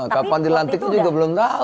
kapan dilantik itu juga belum tahu